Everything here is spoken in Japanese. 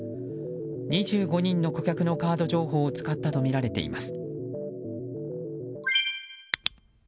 ２５人の顧客のカード情報を使ったとみられています。